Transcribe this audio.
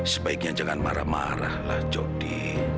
sebaiknya jangan marah marahlah jody